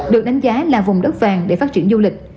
được đánh giá là vùng đất vàng để phát triển du lịch